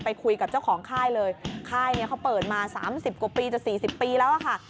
ไปคุยกับเจ้าของค่ายเลยค่ายเนี่ยเขาเปิดมา๓๐กว่าปีจะ๔๐ปีแล้วอะค่ะ